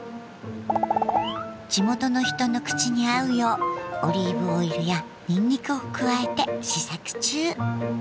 地元の人の口に合うようオリーブオイルやニンニクを加えて試作中。